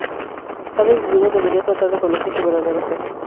Cada individuo debería tratar de conocer su verdadero ser.